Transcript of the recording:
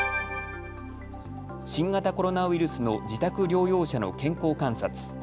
新型コロナウイルスの自宅療養者の健康観察。